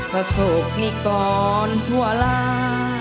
ผสกมิกรทั่วลา